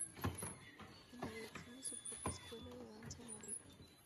Es la directora de su propia escuela de danza en Madrid.